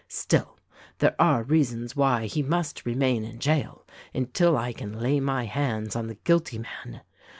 Still there are reasons why he must remain in jail until I can lay my hands on the guilty man.